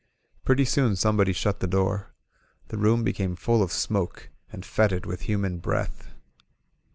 Pretty soon somebody shut the door. The room be came full of smoke and fetid with human breath.